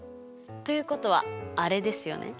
ということはあれですよね。